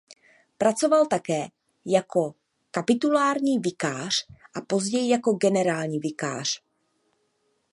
Pracoval také jako kapitulní vikář a později jako generální vikář.